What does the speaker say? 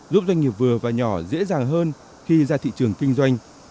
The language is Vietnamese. giúp doanh nghiệp vừa và nhỏ dễ dàng hơn khi ra thị trường kinh doanh